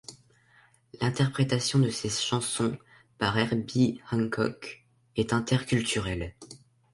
L'interprétation de ces chansons par Herbie Hancock est inter-culturelle.